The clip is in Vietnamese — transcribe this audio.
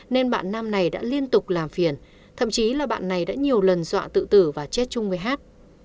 hát đã liên tục làm phiền thậm chí là bạn này đã nhiều lần dọa tự tử và chết chung với hát